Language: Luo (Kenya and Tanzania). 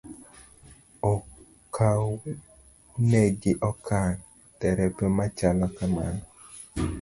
Okawnegi okang' derepe ma chalo kamano.